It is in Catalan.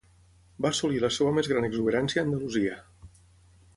Va assolir la seva més gran exuberància a Andalusia.